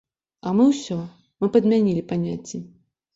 А мы ўсё, мы падмянілі паняцці.